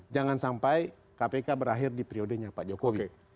jangan sampai kpk berakhir di periodenya pak jokowi